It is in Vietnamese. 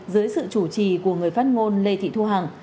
dưới sự chủ trì của người phát ngôn lê thị thu hằng